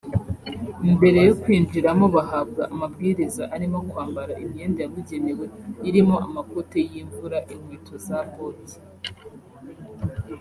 Mbere yo kwinjiramo bahabwa amabwiriza arimo kwambara imyenda yabugenewe irimo amakote y’imvura inkweto za boti